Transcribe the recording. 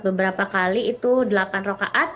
beberapa kali itu delapan rokaat